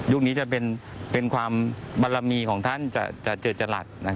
นี้จะเป็นความบารมีของท่านจะเจอจรัส